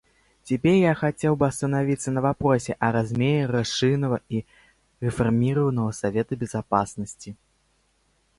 Теперь я хотел бы остановиться на вопросе о размере расширенного и реформированного Совета Безопасности.